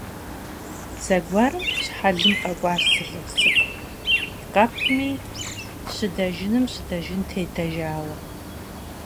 Зэгуэрым щхьэлым къэкӀуащ зы лӀыжь цӀыкӀу, и къэпми щыдэжыным щыдэжын тедэжауэ.